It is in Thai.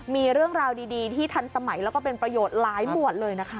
มีเรื่องราวดีที่ทันสมัยแล้วก็เป็นประโยชน์หลายหมวดเลยนะคะ